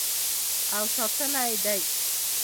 او ساتلی یې دی.